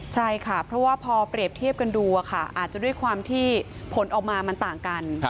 ใช่ค่ะเพราะว่าพอเปรียบเทียบกันดูอาจจะด้วยความที่ผลออกมามันต่างกัน